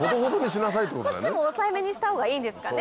こっちも抑えめにしたほうがいいんですかね。